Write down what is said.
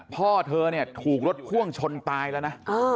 พ่อเธอทุกรถข้วงชนตายแล้วนะ